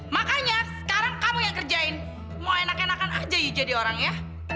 makanya sekarang kamu yang kerjain mau enak enakan aja yuk jadi orangnya